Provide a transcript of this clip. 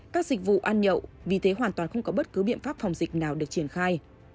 các dịch vụ ăn nhậu vì thế hoàn toàn không có bất cứ biện pháp phòng dịch nào được triển khai